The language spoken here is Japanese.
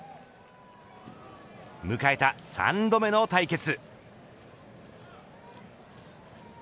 迎えた３度目の対決。